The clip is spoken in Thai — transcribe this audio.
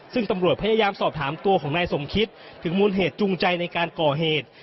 ซึ่งตำรวจพยายามสอบถามตัวของนายสมคิดถึงมูลเหตุจูงใจในการก่อเหตุ